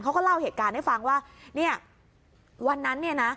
เขาก็เล่าเหตุการณ์ให้ฟังว่าเนี่ยวันนั้นเนี่ยนะ